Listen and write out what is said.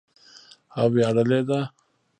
او ویاړلې ده.